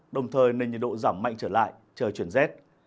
đồng thời nền nhiệt độ giảm mạnh trở lại chờ chuyển rét